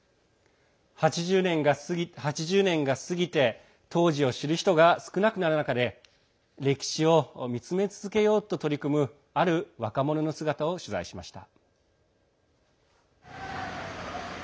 ８０年が過ぎて当時を知る人が少なくなる中で歴史を見つめ続けようと取り組むある若者の姿を取材しました。